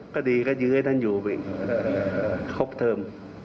ก็ดีก็ยื้อให้ท่านอยู่ไป